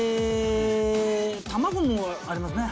卵もありますね。